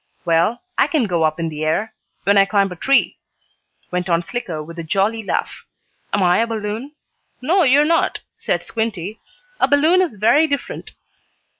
"Well, I can go up in the air, when I climb a tree," went on Slicko, with a jolly laugh. "Am I a balloon?" "No, you are not," said Squinty. "A balloon is very different."